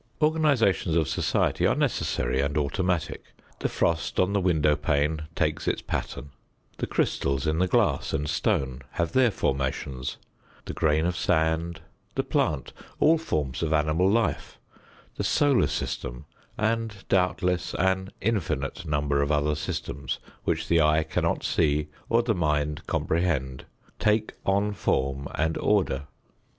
Organizations of society are necessary and automatic. The frost on the window pane takes its pattern, the crystals in the glass and stone have their formations, the grain of sand, the plant all forms of animal life the solar system and, doubtless, an infinite number of other systems which the eye cannot see or the mind comprehend take on form and order.